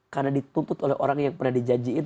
karena dituntut oleh orang yang pernah dijanjiin